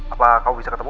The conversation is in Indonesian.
apa kamu bisa ketemu